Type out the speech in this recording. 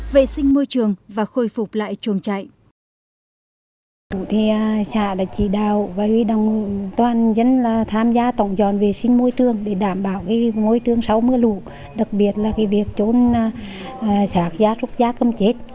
vệ sinh môi trường và khôi phục lại chuồng chạy